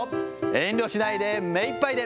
遠慮しないでめいっぱいで。